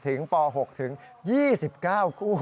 ถึงป่าว๖ถึง๒๙ครู